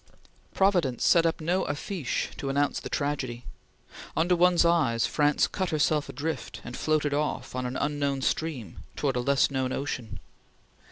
Providence set up no affiches to announce the tragedy. Under one's eyes France cut herself adrift, and floated off, on an unknown stream, towards a less known ocean.